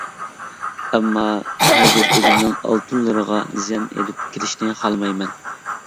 ئەمما، ھەرگىز ئۆزۈمنىڭ ئالتۇنلىرىغا زىيان ئېلىپ كېلىشىنى خالىمايمەن.